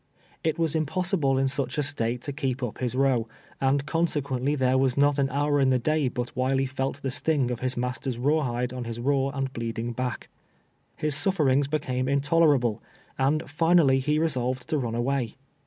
It was impossible in such a state to keep up his roNv, and consequently there was not an hour in the day but AVilev felt the sting of his master's rawhide on his raw and bleeding back, llis sufferings became intolerable, and finally he resolved to run away.